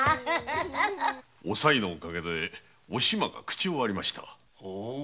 おさいのおかげでお島が口を割りました。